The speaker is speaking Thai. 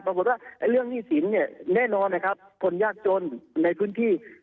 ปรากฏว่าเรื่องหนี้สินเนี่ยแน่นอนนะครับคนยากจนในพื้นที่